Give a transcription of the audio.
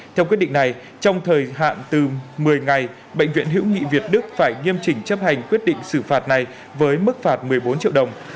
theo quyết định này trong thời hạn từ một mươi ngày bệnh viện hữu nghị việt đức phải nghiêm chỉnh chấp hành quyết định xử phạt này với mức phạt một mươi bốn triệu đồng